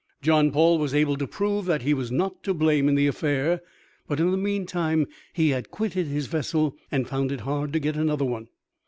John Paul was able to prove that he was not to blame in the affair, but in the meantime he had quitted his vessel and found it hard to get another one.